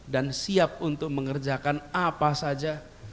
dan siap untuk mengerjakan apa saja